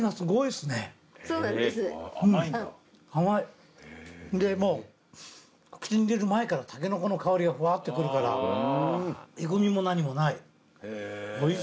でもう口に入れる前からタケノコの香りがふわってくるからえぐみも何もない。